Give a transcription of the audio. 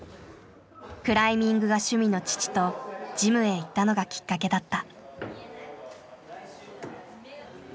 クライミングが趣味の父とジムへ行ったのがきっかけだった。